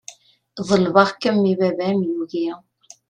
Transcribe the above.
Ḍelbeɣ-kem i baba-m yugi.